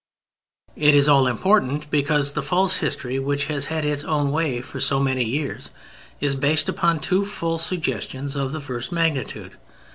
It is all important because the false history which has had its own way for so many years is based upon two false suggestions of the first magnitude.